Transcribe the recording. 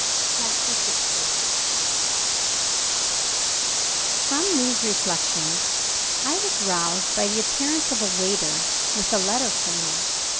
CHAPTER XV From these reflections I was roused by the appearance of a waiter, with a letter for me.